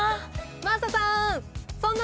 真麻さん！